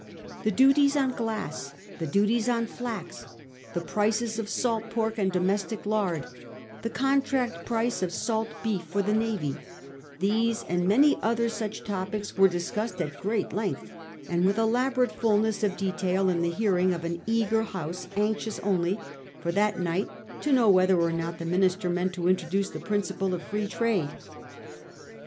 The duties on glass, the duties on flax, the prices of salt pork and domestic lard, the contract price of salt beef for the navy — these and many other such topics were discussed at great length, and with elaborate fulness of detail in the hearing of an eager House anxious only for that night to know whether or not the minister meant to introduce the principle of Free Trade.